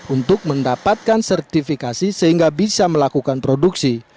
untuk mendapatkan sertifikasi sehingga bisa melakukan produksi